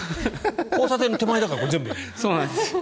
交差点の手前だからこれ全部です。